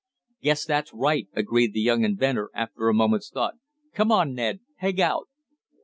"Guess that's right," agreed the young inventor after a moment's thought. "Come on, Ned. Peg out!"